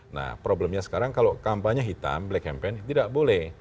nah problemnya sekarang kalau kampanye hitam black campaign tidak boleh